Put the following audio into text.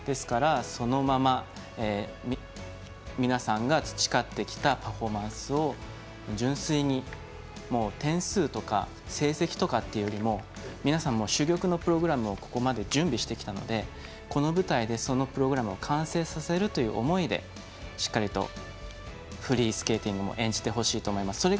ですから、そのまま皆さんが培ってきたパフォーマンスを純粋に点数とか成績とかっていうよりも皆さん、もう珠玉のプログラムをここまで準備してきたのでこの舞台で、そのプログラムを完成させるという思いでしっかりとフリースケーティングも演じてほしいと思います。